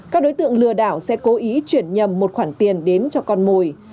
các đối tượng lừa đảo sẽ cố ý chuyển nhầm một khoản tiền đến cho con mồi